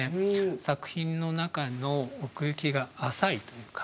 作品の中の奥行きが浅いというか。